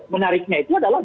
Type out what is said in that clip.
menariknya itu adalah